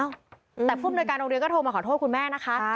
คะได้ครับโอ้วแต่ผู้อำนวยการโรงเรียนก็โทรมาขอโทษคุณแม่นะคะ